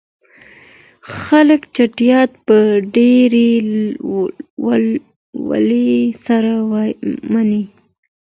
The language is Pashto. خلګ چټیات په ډیرې ولولې سره مني.